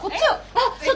・あっ